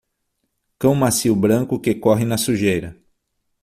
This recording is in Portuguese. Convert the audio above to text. Cão macio branco que corre na sujeira.